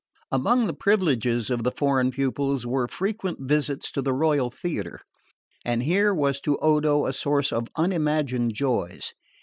Among the privileges of the foreign pupils were frequent visits to the royal theatre; and here was to Odo a source of unimagined joys.